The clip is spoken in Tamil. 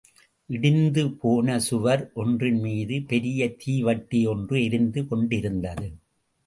இடிந்துபோன சுவர் ஒன்றின்மீது பெரிய தீவட்டி ஒன்று எரிந்து கொண்டிருந்தது.